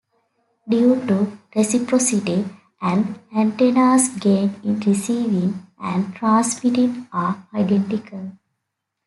Due to reciprocity, an antenna's gain in receiving and transmitting are identical.